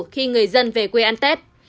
khi người dân về quê ăn tết